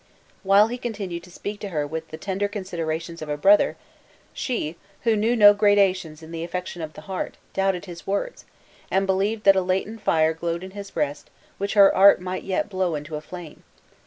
While he continued to speak to her with the tender consideration of a brother, she, who knew no gradations in the affections of the heart, doubted his words, and believed that a latent fire glowed in his breast which her art might yet blow into a flame.